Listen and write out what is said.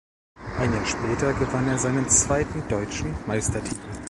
Ein Jahr später gewann er seinen zweiten deutschen Meistertitel.